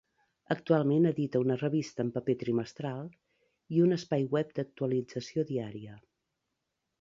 Actualment edita una revista en paper trimestral i un espai web d'actualització diària.